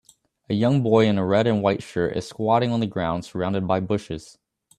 A young boy in a red and white shirt is squatting on the ground surrounded by bushes